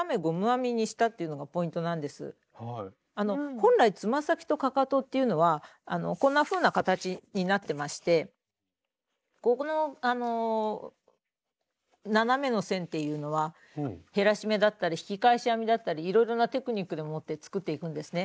本来つま先とかかとっていうのはこんなふうな形になってましてここの斜めの線っていうのは減らし目だったり引き返し編みだったりいろいろなテクニックでもって作っていくんですね。